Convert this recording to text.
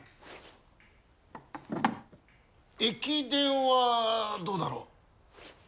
駅伝はどうだろう？